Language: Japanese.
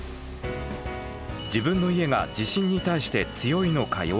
自分の家が地震に対して強いのか弱いのか。